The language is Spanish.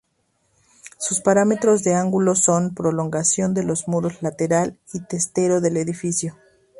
Sus paramentos de ángulo son prolongación de los muros lateral y testero del edificio.